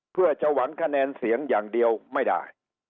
เพื่อจะหวังคะแนนเสียงอย่างเดียวไม่ได้